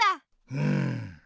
うん。